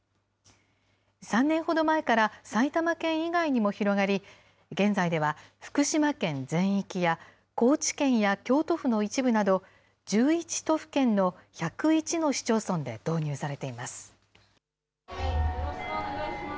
３年ほど前から埼玉県以外にも広がり、現在では福島県全域や、高知県や京都府の一部など、１１都府県の１０１の市町村で導入されています。